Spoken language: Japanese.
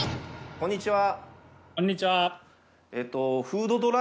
こんにちは。